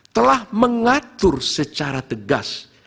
telah mengatur secara tegas